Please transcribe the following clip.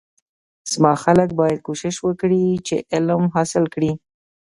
زما خلک باید کوشش وکړی چی علم حاصل کړی